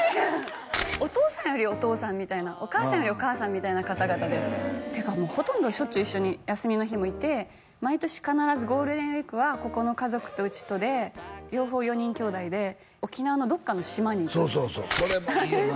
お父さんよりお父さんみたいなお母さんよりお母さんみたいな方々ですていうかほとんどしょっちゅう一緒に休みの日もいて毎年必ずゴールデンウイークはここの家族とうちとで両方４人きょうだいで沖縄のどっかの島にそうそうそうそれもいいよな